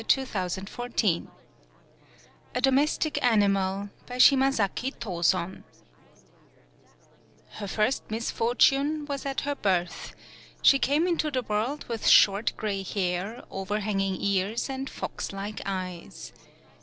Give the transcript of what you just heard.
114 A DOMESTIC ANIMAL A DOMESTIC ANIMAL By SHIMAZAKI TOSON HER first misfortune was at her birth; she came into the world with short gray hair, overhanging ears, and fox like eyes.